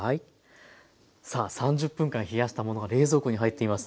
さあ３０分間冷やしたものが冷蔵庫に入っています。